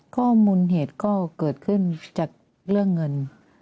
ข้อมูลเหตุก็เกิดขึ้นจากเรื่องเงิน